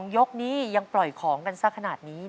ยกนี้ยังปล่อยของกันสักขนาดนี้